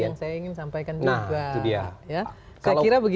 nah ini yang saya ingin sampaikan juga